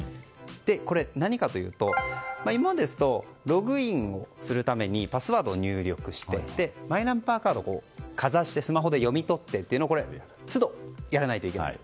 これ、何かというと今までですとログインするためにパスワードを入力してマイナンバーカードをかざしてスマホで読み取ってというのを都度、やらないといけなかった。